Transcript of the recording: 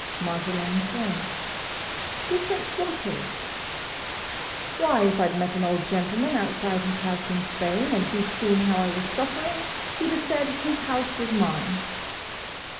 Marjolaine turned. "Different what is?" "Why, if I 'd met an old gentleman outside his house in Spain, and he 'd seen how I was suffering, he 'd have said his house was mine."